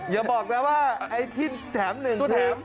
อย่าบอกนะว่าแถมหนึ่ง